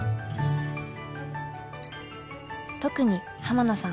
特に濱名さん